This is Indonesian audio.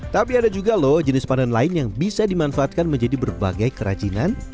tapi ada juga loh jenis pandan lain yang bisa dimanfaatkan menjadi berbagai kerajinan